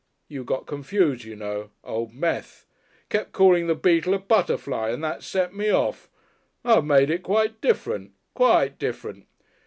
You got confused, you know Old Meth. Kept calling the beetle a butterfly and that set me off. I've made it quite different. Quite different.